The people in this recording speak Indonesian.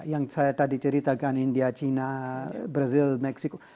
yang saya tadi ceritakan india china brazil meksiko